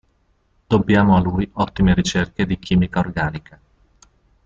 Dobbiamo a lui ottime ricerche di chimica organica.